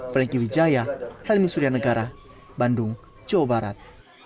franky wijaya helmi surya negara bandung jawa barat